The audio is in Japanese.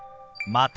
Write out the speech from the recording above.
「また」。